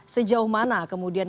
sejauh mana kemudian